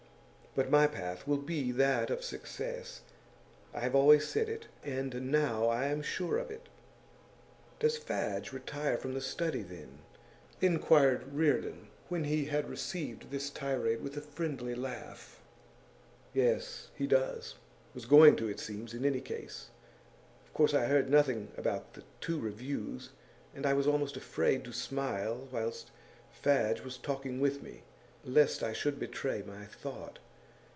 But my path will be that of success. I have always said it, and now I'm sure of it.' 'Does Fadge retire from The Study, then?' inquired Reardon, when he had received this tirade with a friendly laugh. 'Yes, he does. Was going to, it seems, in any case. Of course I heard nothing about the two reviews, and I was almost afraid to smile whilst Fadge was talking with me, lest I should betray my thought.